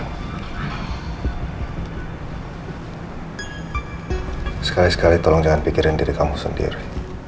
hai sekali sekali tolong jangan pikirin diri kamu sendiri